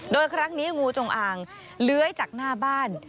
โดยครั้งนี้งูจงอางเลื้อยจากหน้าบ้าน